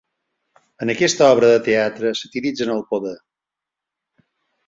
En aquesta obra de teatre satiritzen el poder.